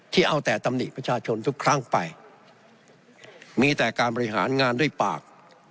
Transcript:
เอาแต่ตำหนิประชาชนทุกครั้งไปมีแต่การบริหารงานด้วยปาก